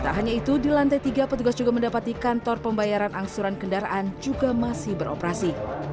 tak hanya itu di lantai tiga petugas juga mendapati kantor pembayaran angsuran kendaraan juga masih beroperasi